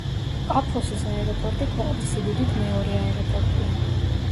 პაფოსის აეროპორტი ქვეყნის სიდიდით მეორე აეროპორტია.